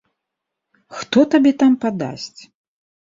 Хто табе там падасць?